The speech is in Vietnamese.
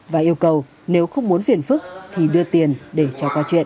và yêu cầu nếu không muốn phiền phức thì đưa tiền để trả qua chuyện